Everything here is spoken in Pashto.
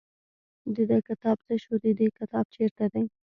د ده کتاب څه شو د دې کتاب چېرته دی.